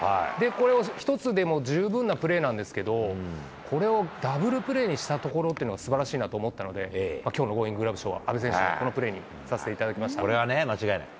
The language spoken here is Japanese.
これを、１つでも十分なプレーなんですけれども、これをダブルプレーにしたところ、すばらしいなと思ったので、きょうのゴーインググラブ賞は阿部選手、このプレーにさせていたこれはね、間違いない。